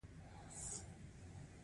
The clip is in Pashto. د ګیځ په چای د کوچو خوړل څنګه دي؟